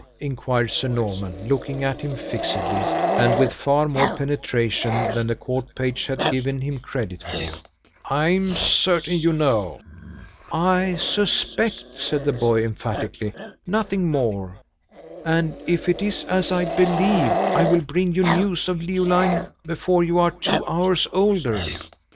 inquired Sir Norman, looking at him fixedly, and with far more penetration than the court page had given him credit for. "I am certain you know." "I suspect!" said the boy, emphatically, "nothing more; and if it is as I believe, I will bring you news of Leoline before you are two hours older."